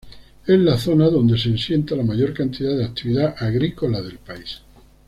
Es la zona donde se asienta la mayor cantidad de actividad agrícola del país.